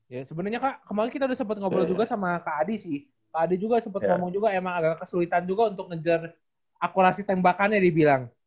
ya sebenarnya kak kemaren kita udah sempet ngobrol juga sama kak adi sih kak adi juga sempet ngomong juga emang agak kesulitan juga untuk mengejar akurasi tembakannya dia bilang